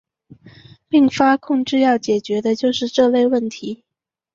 并发控制要解决的就是这类问题。